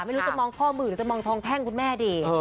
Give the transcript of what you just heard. ไม่รู้จะมองข้อมือหรือจะมองทองแท่งคุณแม่ดี